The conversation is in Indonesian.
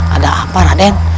ada apa raden